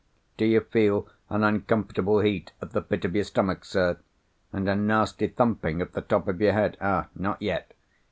"Do you feel an uncomfortable heat at the pit of your stomach, sir? and a nasty thumping at the top of your head? Ah! not yet?